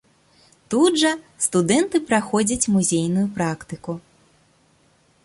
Тут жа студэнты праходзяць музейную практыку.